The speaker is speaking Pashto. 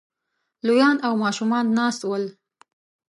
لويان او ماشومان ناست ول